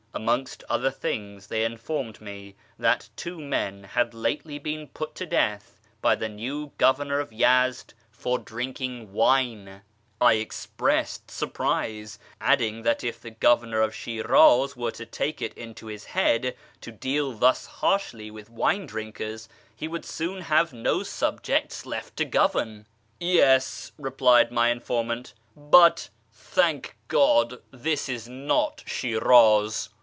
Amongst other things they informed me that two men had lately been put to death by the new Governor of Yezd for drinking wine. I expressed surprise, adding that if the Governor of Shiraz were to take it into his head to deal thus harshly with wine drinkers, he would 50on have no subjects left to govern. " Yes," replied my nformant, " but, thank God, this is not Shimz."